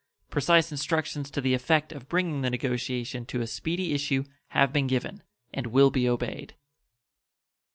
Precise instructions to the effect of bringing the negotiation to a speedy issue have been given, and will be obeyed.